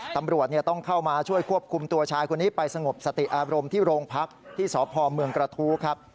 ตำรวจต้องเข้ามาช่วยควบคุมตัวชายคนนี้ไปสงบสติอารมณ์ที่โรงพักที่สพเมืองกระทู้ครับ